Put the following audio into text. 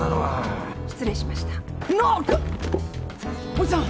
おじさん！